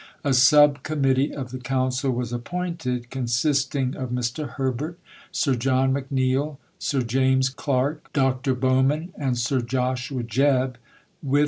A Sub Committee of the Council was appointed, consisting of Mr. Herbert, Sir John McNeill, Sir James Clark, Dr. Bowman, and Sir Joshua Jebb, with Mr. A.